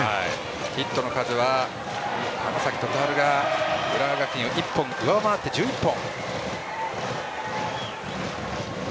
ヒットの数は花咲徳栄が浦和学院を１本上回って１１本。